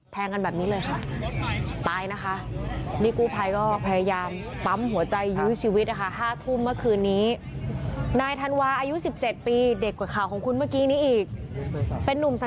แทงกันแบบนี้เลยค่ะ